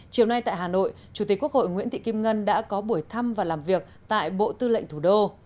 chiều nay tại hà nội chủ tịch quốc hội nguyễn thị kim ngân đã có buổi thăm và làm việc tại bộ tư lệnh thủ đô